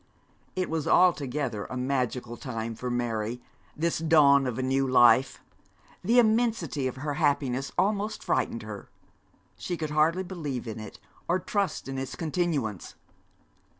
It was altogether a magical time for Mary, this dawn of a new life. The immensity of her happiness almost frightened her. She could hardly believe in it, or trust in its continuance.